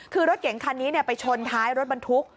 คือรถเก๋งคันนี้ไปชนท้ายรถบรรทุก